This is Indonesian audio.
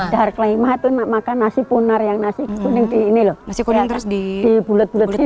dahar kelima itu makan nasi punar yang nasi kuning di ini loh di bulet buletin